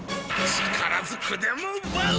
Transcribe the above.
力ずくでもうばう！